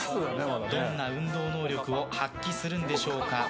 どんな運動能力を発揮するんでしょうか。